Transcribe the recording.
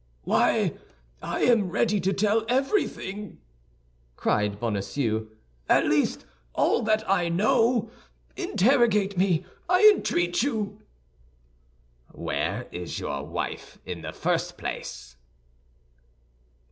"Why, I am ready to tell everything," cried Bonacieux, "at least, all that I know. Interrogate me, I entreat you!" "Where is your wife, in the first place?"